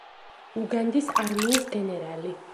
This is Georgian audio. უგანდის არმიის გენერალი.